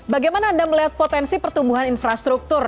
bagaimana anda melihat potensi pertumbuhan infrastruktur